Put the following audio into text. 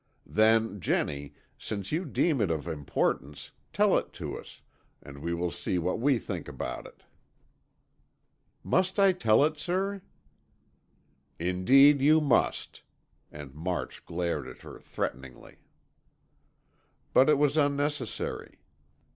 "Then, Jennie, since you deem it of importance, tell it to us, and we will see what we think about it." "Must I tell it, sir?" "Indeed you must," and March glared at her threateningly. But it was unnecessary.